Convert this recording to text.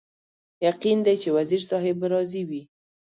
یقین دی چې وزیر صاحب به راضي وي.